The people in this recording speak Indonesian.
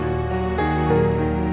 kamu sama amin